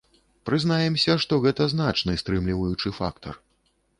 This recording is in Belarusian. Прызнаемся, што гэта значны стрымліваючы фактар.